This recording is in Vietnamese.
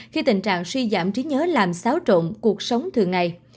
khi tình trạng suy giảm trí nhớ làm xáo trộn cuộc sống thường ngày